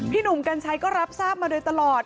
หนุ่มกัญชัยก็รับทราบมาโดยตลอด